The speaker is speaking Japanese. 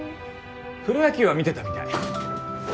プロ野球は見てたみたい。